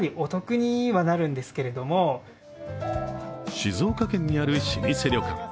静岡県にある老舗旅館。